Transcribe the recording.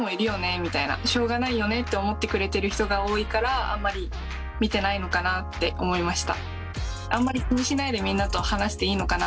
みたいな「しょうがないよね」と思ってくれてる人が多いからあんまり見てないのかなって思いました。